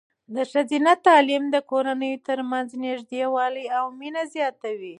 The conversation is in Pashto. د ښځینه تعلیم د کورنیو ترمنځ نږدېوالی او مینه زیاتوي.